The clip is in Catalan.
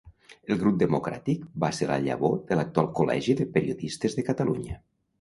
El Grup Democràtic va ser la llavor de l'actual Col·legi de Periodistes de Catalunya.